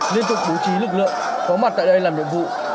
liên tục bố trí lực lượng có mặt tại đây làm nhiệm vụ